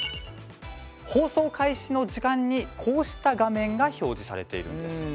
放送開始の時間に、こうした画面が表示されているんです。